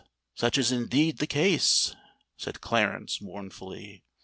such is indeed the case!" said Clarence, mournfully.